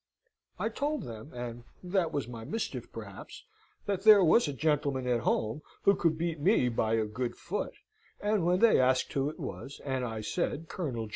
"I told them and that was my mischief perhaps that there was a gentleman at home who could beat me by a good foot; and when they asked who it was, and I said Col.